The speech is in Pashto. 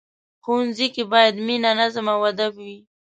ښوونځی کې باید مینه، نظم او ادب وي